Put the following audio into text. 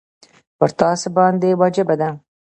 پر تاسي باندي واجبه ده.